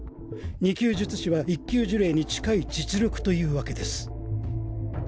２級術師は１級呪霊に近い実力というわけです。